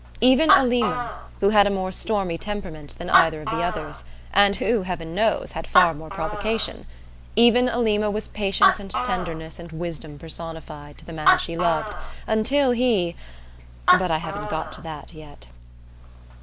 Even Alima who had a more stormy temperament than either of the others, and who, heaven knows, had far more provocation even Alima was patience and tenderness and wisdom personified to the man she loved, until he but I haven't got to that yet.